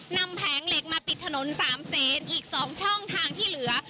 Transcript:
แผงเหล็กมาปิดถนน๓เซนอีก๒ช่องทางที่เหลือ